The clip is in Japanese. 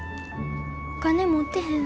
お金持ってへん。